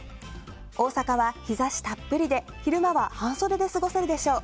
大阪は日差したっぷりで昼間は半袖で過ごせるでしょう。